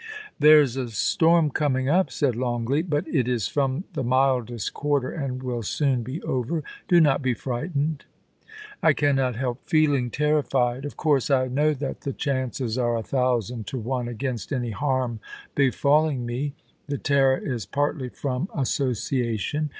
'There's a storm coming up,' said Longleat, *but it is from the mildest quarter, and will soon be over. Do not be frightened' * I cannot help feeling terrified. Of course I know that the chances are a thousand to one against any harm befall ing me ; the terror is partly from association.